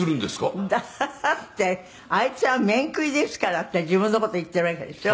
「だってあいつは面食いですからって自分の事言っているわけでしょ」